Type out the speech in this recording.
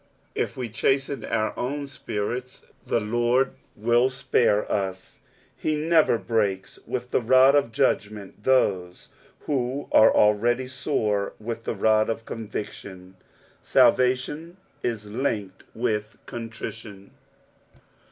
If we chasten our own spirits the Lord will spare us. He never breaks with the rod of judgment tliDSe who are already sore with the rod of conviction. Balvation is linked with contrition.